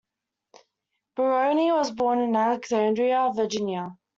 Mulroney was born in Alexandria, Virginia.